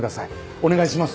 お願いします。